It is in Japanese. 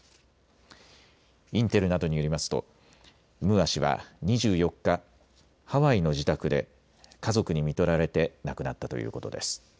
インテルなどによりますとムーア氏は２４日、ハワイの自宅で家族にみとられて亡くなったということです。